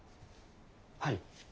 はい。